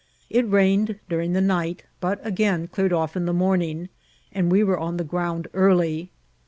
It rained during the night, but again cleared off in the morning, and we were on the ground early.